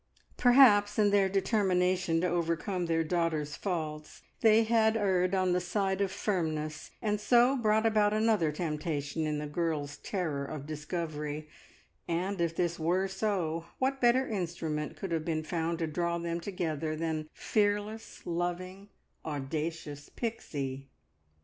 Perhaps, in their determination to overcome their daughter's faults, they had erred on the side of firmness, and so brought about another temptation in the girl's terror of discovery; and if this were so, what better instrument could have been found to draw them together than fearless, loving, audacious Pixie?